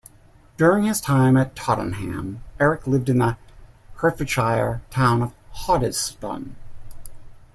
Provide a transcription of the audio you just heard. During his time at Tottenham Erik lived in the Hertfordshire town of Hoddesdon.